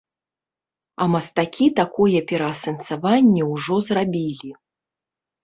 А мастакі такое пераасэнсаванне ўжо зрабілі.